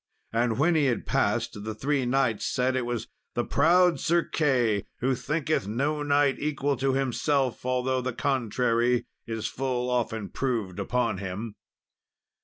And when he had passed, the three knights said it was the proud Sir Key, "who thinketh no knight equal to himself, although the contrary is full often proved upon him."